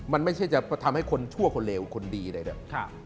มันไม่ใช่จะทำให้คนชั่วคนว่าคนที่ถูกคนแดงดี